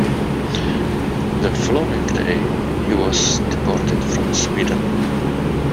The following day, he was deported from Sweden.